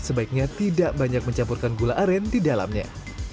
sebaiknya tidak banyak mencampurkan gula aren di dalamnya